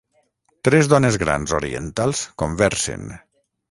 Tres dones grans orientals conversen.